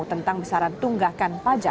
tentang besaran tunggakan pajak